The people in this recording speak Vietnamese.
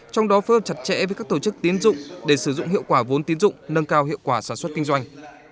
trong đó phối hợp chặt chẽ với các tổ chức tiến dụng để sử dụng hiệu quả vốn tín dụng nâng cao hiệu quả sản xuất kinh doanh